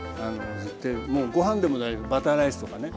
もうご飯でも大丈夫バターライスとかね。